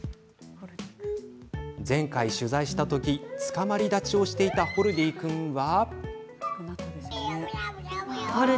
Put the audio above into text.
前回、取材した時つかまり立ちをしていたホルディー君は。